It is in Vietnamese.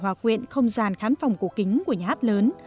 hòa quyện không gian khán phòng cổ kính của nhà hát lớn